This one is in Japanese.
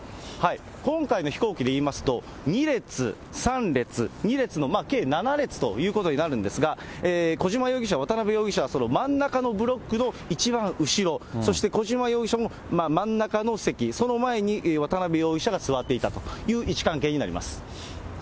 今回の飛行機で言いますと、２列、３列、２列の計７列ということになるんですが、小島容疑者、渡辺容疑者はその真ん中のブロックの一番後ろ、そして小島容疑者も真ん中の席、その前に渡辺容疑者が座っていたという位置関係になります。